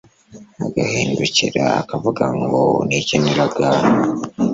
agahindukira akavuga ngo «Nikiniraga»